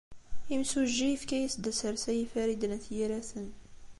Imsujji yefka-as-d asersay i Farid n At Yiraten.